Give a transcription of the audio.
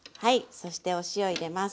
そしてお塩入れます